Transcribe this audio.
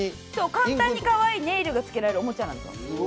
簡単にかわいいネイルが付けられるおもちゃなんです。